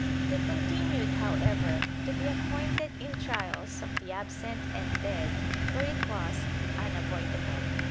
^ They continued, however, to be appointed in trials of the absent and dead, where it was unavoidable.